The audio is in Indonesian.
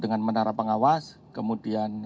dengan menara pengawas kemudian